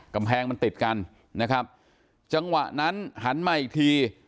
กำแพงมันติดกันนะครับจังหวะนั้นหันมาอีกที